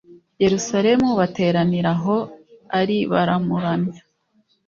Yerusalemu bateranira aho ari baramuramya